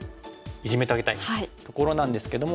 イジメてあげたいところなんですけども。